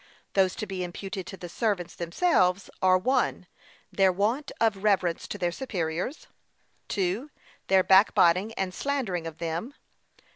Those to be imputed to the servants themselves are: (1.) Their want of reverence to their superiors. (2.) Their backbiting and slandering of them.